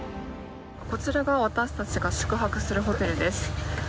こちらが私たちが宿泊するホテルです。